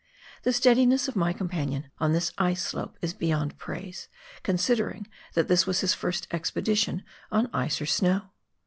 The steadiness of my companion on this ice slope is beyond praise, considering that this was his first expedition on ice or snow.